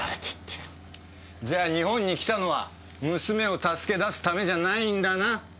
じゃあ日本に来たのは娘を助け出すためじゃないんだな？